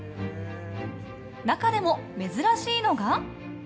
中でも珍しいのが。